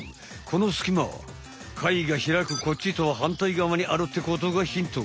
このスキマ貝がひらくこっちとははんたい側にあるってことがヒント。